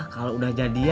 kalau udah jadian ya